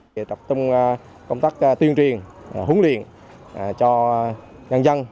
để tập trung công tác tuyên truyền huấn luyện cho nhân dân